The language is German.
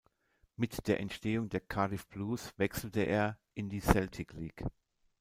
Mit der Entstehung der Cardiff Blues wechselte er in die Celtic League.